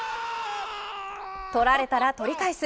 取られたら取り返す。